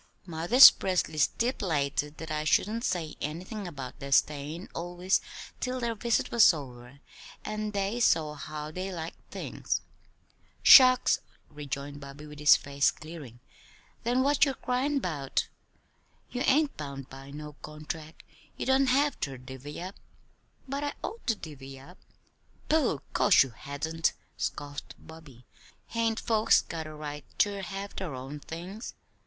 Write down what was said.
Mother 'spressly stip'lated that I shouldn't say anything about their stayin' always till their visit was over and they saw how they liked things." "Shucks!" rejoined Bobby, his face clearing. "Then what ye cryin' 'bout? You ain't bound by no contract. You don't have ter divvy up." "But I ought to divvy up." "Pooh! 'Course ye hadn't," scoffed Bobby. "Hain't folks got a right ter have their own things?"